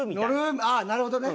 ああなるほどね。